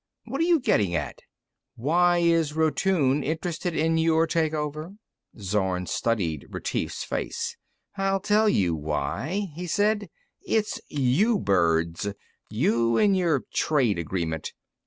"What are you getting at?" "Why is Rotune interested in your take over?" Zorn studied Retief's face. "I'll tell you why," he said. "It's you birds. You and your trade agreement.